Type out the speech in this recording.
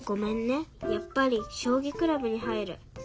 やっぱりしょうぎクラブに入る。